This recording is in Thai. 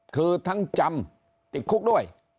คือทั้งจำติดคุกด้วย